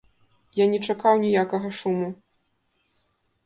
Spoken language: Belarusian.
Я не чакаў ніякага шуму.